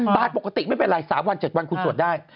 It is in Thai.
ปกติไม่เป็นไร๓วัน๗วันคุณสวดได้